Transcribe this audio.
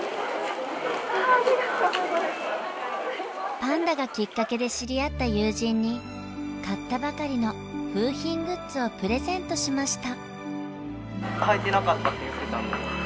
パンダがきっかけで知り合った友人に買ったばかりの楓浜グッズをプレゼントしました。